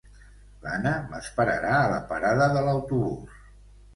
L'Anna m'esperarà a la parada de l'autobús